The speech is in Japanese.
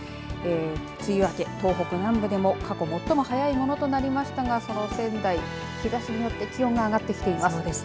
梅雨明け、東北南部でも過去最も早いものとなりましたがその仙台、日ざしによって気温が上がってきています。